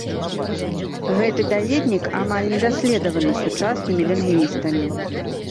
Гэты даведнік амаль не даследаваны сучаснымі лінгвістамі.